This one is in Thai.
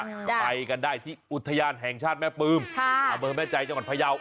ไปกันได้ที่อุทยานแห่งชาติแม่ปืมค่ะอำเภอแม่ใจจังหวัดพยาว